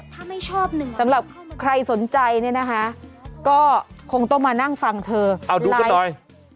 ถ้าไม่ชอบหนึ่งสำหรับใครสนใจเนี่ยนะคะก็คงต้องมานั่งฟังเธอเอาดูกันหน่อย